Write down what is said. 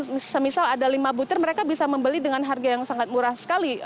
dan semisal ada lima butir mereka bisa membeli dengan harga yang sangat murah sekali